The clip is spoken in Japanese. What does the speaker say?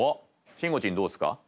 しんごちんどうですか？